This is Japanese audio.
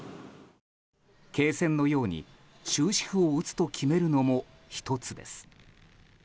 恵泉のように、終止符を打つと決めるのも１つです。